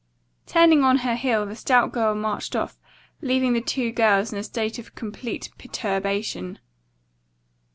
Turning on her heel, the stout girl marched off, leaving the two girls in a state of complete perturbation.